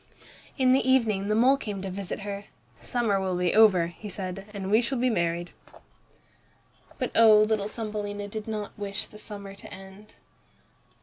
In the evening the mole came to visit her. "Summer will soon be over," he said, "and we shall be married." But oh! little Thumbelina did not wish the summer to end.